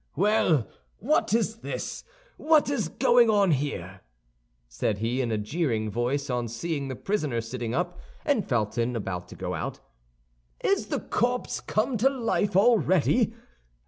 "Well, what is it—what is going on here?" said he, in a jeering voice, on seeing the prisoner sitting up and Felton about to go out. "Is this corpse come to life already?